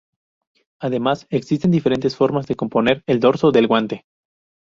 Además, existen diferentes formas de componer el dorso del guante.